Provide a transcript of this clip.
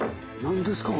何ですか？